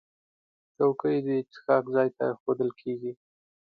چوکۍ د څښاک ځای ته ایښودل کېږي.